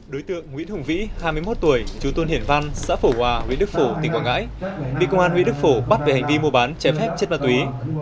đối tượng nguyễn hùng vĩ hai mươi một tuổi chú tôn hiển văn xã phổ hòa huyện đức phổ tỉnh quảng ngãi bị công an huyện đức phổ bắt về hành vi mua bán trái phép chất ma túy